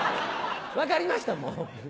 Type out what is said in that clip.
分かりましたもう！